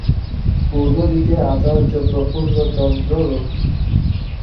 পূর্ব দিকে আচার্য প্রফুল্লচন্দ্র রোড।